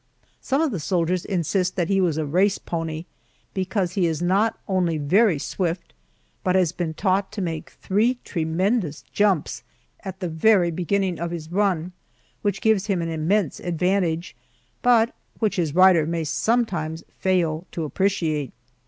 Some of the soldiers insist that he was a race pony, because he is not only very swift, but has been taught to take three tremendous jumps at the very beginning of his run, which gives him an immense advantage, but which his rider may sometimes fail to appreciate.